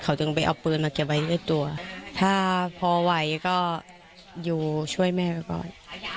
เขาถึงไปเอาปืนมาเก็บไว้ด้วยตัวถ้าพอไหวก็อยู่ช่วยแม่ไปก่อน